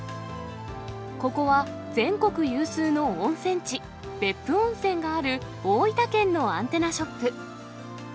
ここは、全国有数の温泉地、別府温泉がある大分県のアンテナショップ。